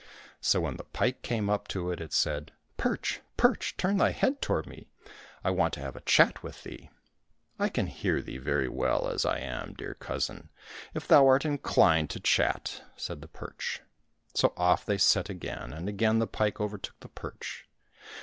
So when the pike came up to it, it said, " Perch ! perch ! turn thy head toward me, I want to have a chat with thee !"—" I can hear thee very well as I am, dear cousin, if thou art inclined to chat," said the perch. So off they set again, and again the pike overtook the perch.